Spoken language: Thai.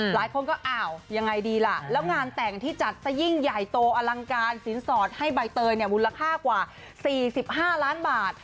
หลายคนก็อ้าวยังไงดีล่ะแล้วงานแต่งที่จัดซะยิ่งใหญ่โตอลังการสินสอดให้ใบเตยเนี่ยมูลค่ากว่า๔๕ล้านบาท